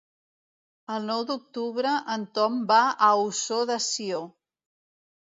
El nou d'octubre en Tom va a Ossó de Sió.